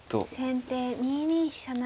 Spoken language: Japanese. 先手２二飛車成。